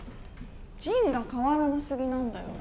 仁が変わらな過ぎなんだよ。